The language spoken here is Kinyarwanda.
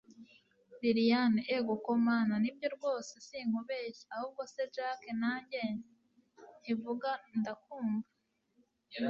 lilian egoko mana, nibyo rwose sinkubeshya ,ahubwo se jack nanjye nti vuga ndakumva